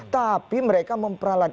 tapi mereka memperalat